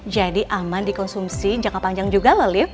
jadi aman dikonsumsi jangka panjang juga loh lip